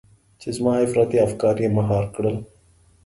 چې زما افراطي افکار يې مهار کړل.